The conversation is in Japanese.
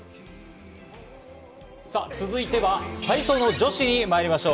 続いては体操の女子にまいりましょう。